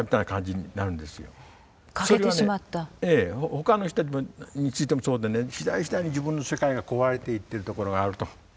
ほかの人についてもそうでね次第次第に自分の世界が壊れていってるところがあると。